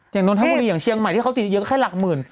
นนทบุรีอย่างเชียงใหม่ที่เขาติดเยอะแค่หลักหมื่น